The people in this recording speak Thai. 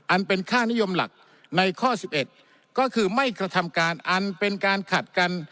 อันเป็นค่านิยมหลักในข้อ๑๑ก็คือไม่กระทำการอันเป็นการขัดกัน